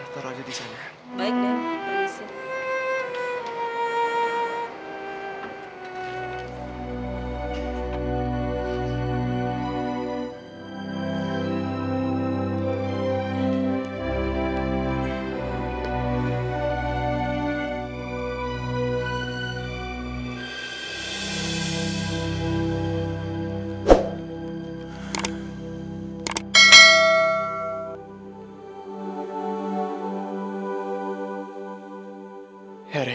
terima kasih ibu